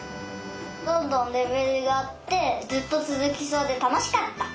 どんどんレベルがあってずっとつづきそうでたのしかった！